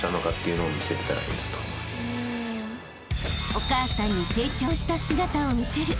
［お母さんに成長した姿を見せる］